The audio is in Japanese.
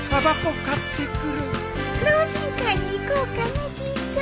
老人会に行こうかねじいさん。